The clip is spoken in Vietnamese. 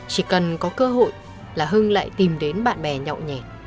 chỉ cần có cơ hội là hưng lại tìm đến bạn bè nhậu nhẹt